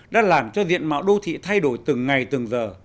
đã làm cho diện mạo đô thị thay đổi từng ngày từng giờ